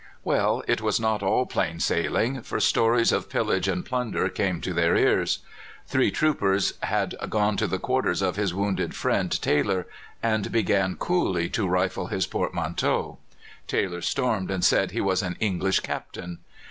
Well, it was not all plain sailing, for stories of pillage and plunder came to their ears. Three troopers had gone to the quarters of his wounded friend, Taylor, and began coolly to rifle his portmanteau. Taylor stormed and said he was an English Captain.